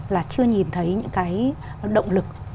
là chưa nhìn thấy những cái động lực